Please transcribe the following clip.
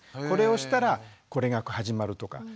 これをしたらこれが始まるとか。